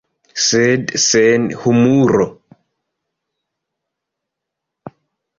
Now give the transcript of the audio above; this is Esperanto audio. Sed sen humuro.